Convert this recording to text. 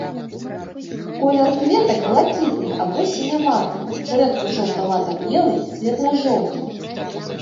Колер кветак блакітны або сіняваты, зрэдку жаўтавата-белы, светла-жоўты.